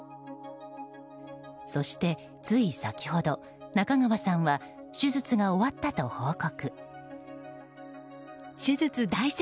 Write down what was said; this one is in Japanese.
そして、つい先ほど中川さんは手術が終わったと報告。